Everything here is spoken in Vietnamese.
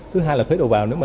thứ hai là thuế đầu vào